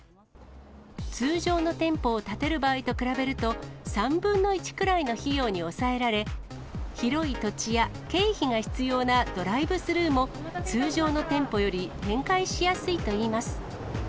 通常の店舗を建てる場合と比べると、３分の１くらいの費用に抑えられ、広い土地や経費が必要なドライブスルーも、通常の店舗より展開しやすいといいます。